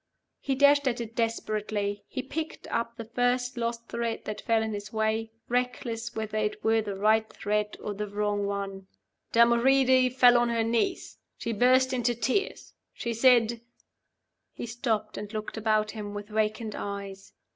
He dashed at it desperately; he picked up the first lost thread that fell in his way, reckless whether it were the right thread or the wrong one: "Damoride fell on her knees. She burst into tears. She said " He stopped, and looked about him with vacant eyes.